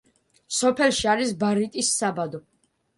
სოფელში არის ბარიტის საბადო.